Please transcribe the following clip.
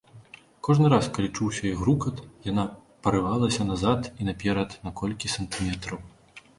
Кожны раз, калі чуўся яе грукат, яна парывалася назад і наперад на колькі сантыметраў.